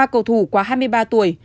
ba cầu thủ qua hai mươi ba tuổi